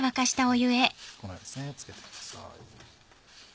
このようにですねつけてください。